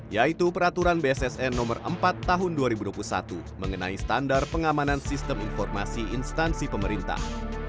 yaitu peraturan bssn nomor empat tahun dua ribu dua puluh satu mengenai standar pengamanan sistem informasi instansi pemerintah